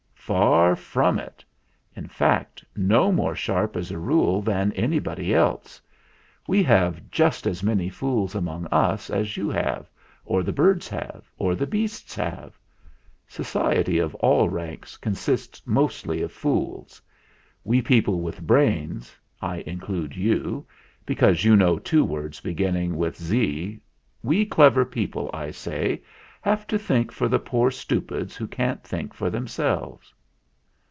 "Far from it. In fact, no more sharp as a rule than anybody else. We have just as many fools among us as you have, or the birds have, or the beasts have. Society of all ranks consists mostly of fools. We people with brains I include you, because you know two words beginning with V we clever people, I say, have to think for the poor stupids who can't think for themselves."